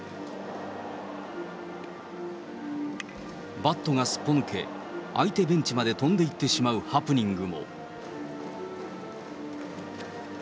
バットがすっぽ抜け、相手ベンチ迄飛んでいってしまうハプニングも。